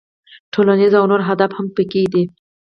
ټولنیز او نور اهداف هم پکې دي.